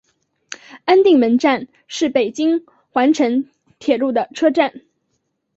安定门站是北京环城铁路的车站。